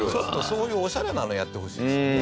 そういうオシャレなのやってほしいですよね